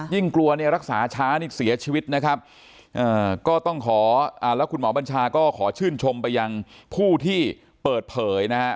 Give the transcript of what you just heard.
กลัวเนี่ยรักษาช้านี่เสียชีวิตนะครับก็ต้องขอแล้วคุณหมอบัญชาก็ขอชื่นชมไปยังผู้ที่เปิดเผยนะฮะ